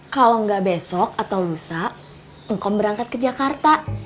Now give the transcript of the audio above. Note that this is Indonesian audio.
kalau nggak besok atau lusa engkau berangkat ke jakarta